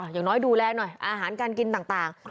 อย่างน้อยดูแลหน่อยอาหารการกินต่าง